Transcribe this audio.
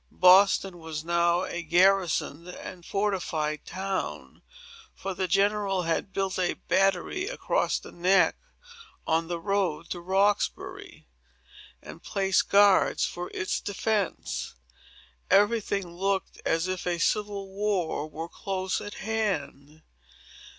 Boston was now a garrisoned and fortified town; for the general had built a battery across the neck, on the road to Roxbury, and placed guards for its defence. Every thing looked as if a civil war were close at hand."